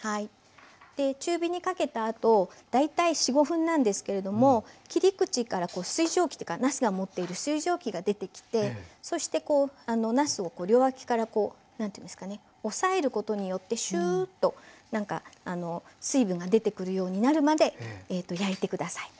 中火にかけたあと大体４５分なんですけれども切り口からなすが持っている水蒸気が出てきてそしてなすを両脇からこう何ていうんですかね押さえることによってシューッと水分が出てくるようになるまで焼いて下さい。